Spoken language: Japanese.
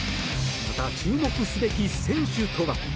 また、注目すべき選手とは。